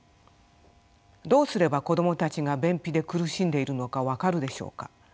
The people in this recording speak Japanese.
どうすれば子どもたちが便秘で苦しんでいるのか分かるでしょうか。